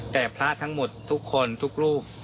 แต่พระทั้งหมดทุกคนทุกรูป